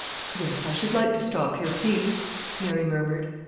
"Yes, I should like to stop here, please," Mary murmured.